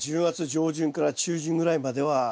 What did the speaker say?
１０月上旬から中旬ぐらいまでは。